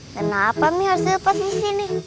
kenapa harus lepas disini